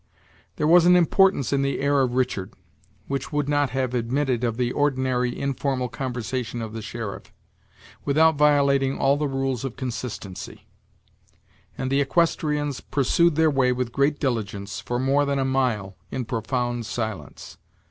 There was an importance in the air of Richard, which would not have admitted of the ordinary informal conversation of the sheriff, without violating all the rules of consistency; and the equestrians pursued their way with great diligence, for more than a mile, in profound silence.